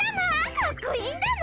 かっこいいんだな。